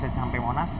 oke kita sampai di monas